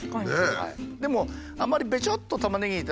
でもあんまりべちょっとたまねぎ炒めちゃ。